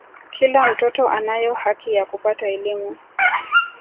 kila mtoto anayo haki ya kupata elimu